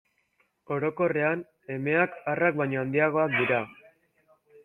Orokorrean, emeak arrak baino handiagoak dira.